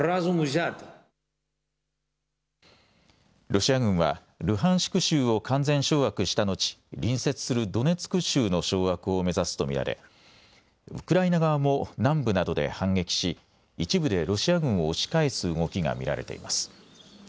ロシア軍は、ルハンシク州を完全掌握した後、隣接するドネツク州の掌握を目指すと見られ、ウクライナ側も南部などで反撃し、一部でロシア軍を押し返す動きが見られています。